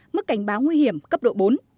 mức cảnh báo nguy hiểm cấp độ bốn